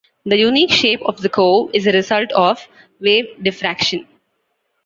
The unique shape of the cove is a result of wave diffraction.